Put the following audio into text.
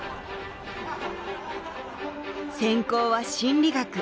専攻は心理学。